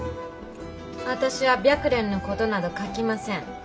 私は白蓮の事など書きません。